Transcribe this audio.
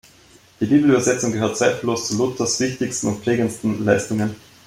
Die Bibelübersetzung gehört zweifellos zu Luthers wichtigsten und prägendsten Leistungen.